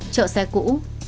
trợ xe cũ